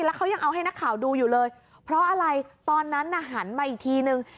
แล้วเขายังเอาให้นักข่าวดูอยู่เลยเพราะอะไรตอนนั้นน่ะหันมาอีกทีนึง